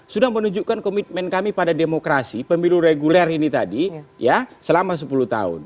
sudah menunjukkan komitmen kami pada demokrasi pemilu reguler ini tadi ya selama sepuluh tahun